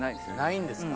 ないんですか。